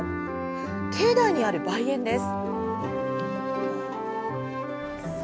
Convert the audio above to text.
境内にある梅園です。